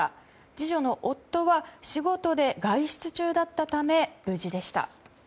次女の夫は仕事で外出中だったため無事でした。